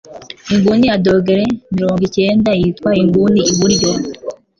Inguni ya dogere mirongo icyenda yitwa inguni iburyo.